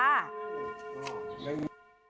อ้าวโดยยิง